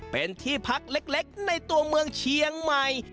เป็นที่พักเล็กในตัวเมืองเชียงใหม่